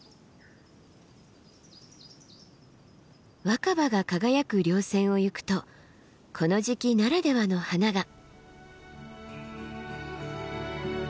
若葉が輝く稜線を行くとこの時期ならではの花が。